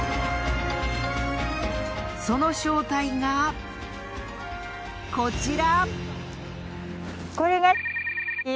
その正体がこちら！